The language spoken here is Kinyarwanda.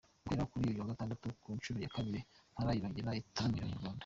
Guhera kuri uyu wa Gatanu ku nshuro ya kabiri Impara irongera itaramire Abanyarwanda